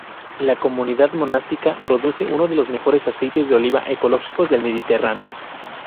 La comunidad monástica produce uno de los mejores aceites de oliva ecológicos del Mediterráneo.